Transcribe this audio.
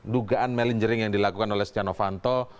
dugaan melingering yang dilakukan oleh stiano fanto